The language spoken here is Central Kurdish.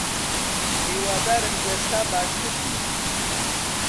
هیوادارم ئێستا باشتر بیت.